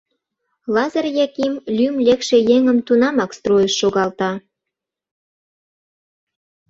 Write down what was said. Лазыр Яким лӱм лекше еҥым тунамак стройыш шогалта.